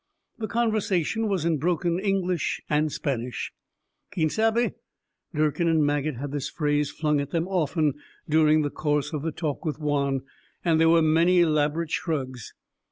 The conversation was in broken English and Spanish. "Quien sabe?" Durkin and Maget had this phrase flung at them often during the course of the talk with Juan, and there were many elaborate shrugs.